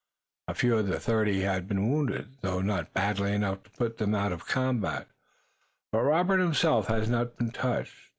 A few of the thirty had been wounded, though not badly enough to put them out of the combat, but Robert himself had not been touched.